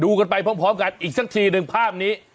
กันไปพร้อมกันอีกสักทีหนึ่งภาพนี้